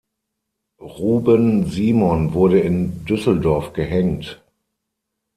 Ruben Simon wurde in Düsseldorf gehängt.